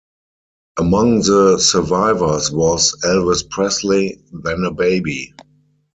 Among the survivors was Elvis Presley, then a baby.